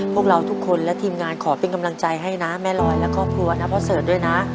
พวกเราทุกคนและทีมงานขอเป็นกำลังใจให้นะแม่ลอยและครอบครัวนะพ่อเสิร์ตด้วยนะ